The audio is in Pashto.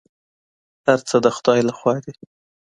هر څه د خدای لخوا دي.